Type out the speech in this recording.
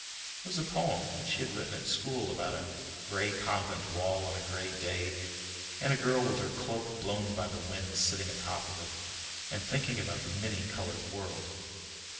It was a poem that she had written at school about a gray convent wall on a gray day, and a girl with her cloak blown by the wind sitting atop of it and thinking about the many colored world.